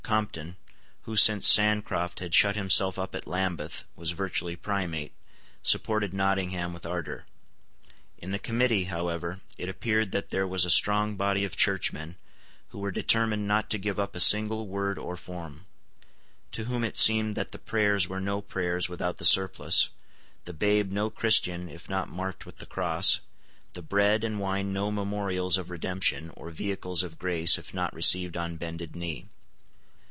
Compton, who, since Sancroft had shut himself up at Lambeth, was virtually Primate, supported Nottingham with ardour. In the committee, however, it appeared that there was a strong body of churchmen, who were determined not to give up a single word or form; to whom it seemed that the prayers were no prayers without the surplice, the babe no Christian if not marked with the cross, the bread and wine no memorials of redemption or vehicles of grace if not received on bended knee.